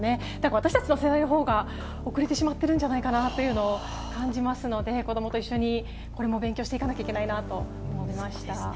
私たちの世代のほうが遅れてしまってるんじゃないかなというのを感じますので、子どもと一緒にこれも勉強していかなきゃいけないなと思いました。